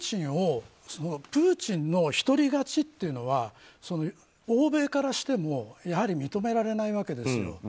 プーチンの一人勝ちっていうのは欧米からしてもやはり認められないわけですよ。